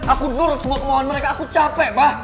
aku nurut semua kemohon mereka aku capek pak